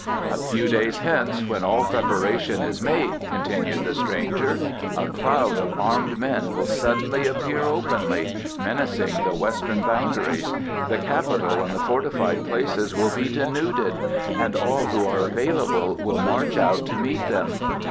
"A few days hence, when all preparation is made," continued the stranger, "a cloud of armed men will suddenly appear openly, menacing the western boundaries. The Capital and the fortified places will be denuded, and all who are available will march out to meet them.